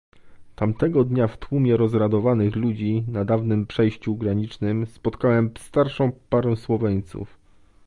Tamtego dnia w tłumie rozradowanych ludzi na dawnym przejściu granicznym spotkałem starszą parę Słoweńców